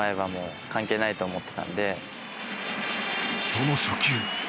その初球。